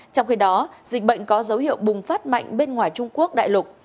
trong khi đó dịch bệnh có dấu hiệu bùng phát mạnh bên ngoài trung quốc đại lục